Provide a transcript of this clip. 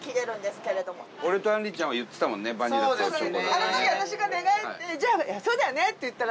あの時私が寝返って「じゃあそうだよね」って言ったら。